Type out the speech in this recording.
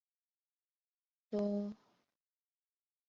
多花茶藨子为虎耳草科茶藨子属下的一个种。